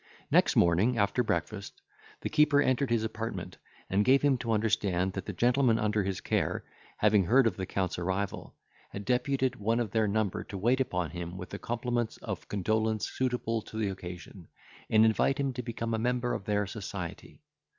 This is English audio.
Next morning, after breakfast, the keeper entered his apartment, and gave him to understand, that the gentlemen under his care, having heard of the Count's arrival, had deputed one of their number to wait upon him with the compliments of condolence suitable to the occasion, and invite him to become a member of their society.